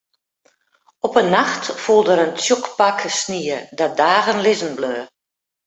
Op in nacht foel der in tsjok pak snie dat dagen lizzen bleau.